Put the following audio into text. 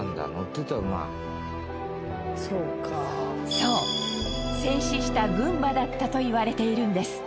そう戦死した軍馬だったといわれているんです。